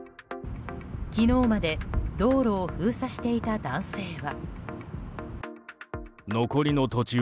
昨日まで道路を封鎖していた男性は。